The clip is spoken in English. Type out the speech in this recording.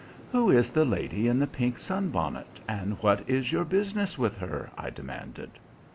"Who is the lady in the pink sunbonnet, and what is your business with her?" I demanded.